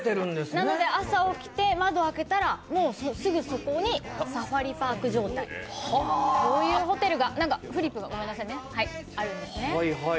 なので、朝起きて窓開けたら、すぐそこにサファリパーク状態、こういうホテルがあるんですね。